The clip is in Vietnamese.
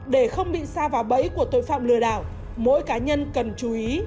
để không bị xa vào bẫy của tội phạm lừa đảo mỗi cá nhân cần chú ý